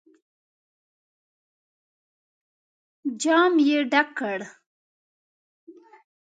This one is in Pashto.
جام يې ډک کړ.